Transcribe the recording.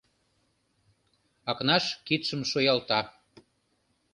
Акнаш кидшым шуялта.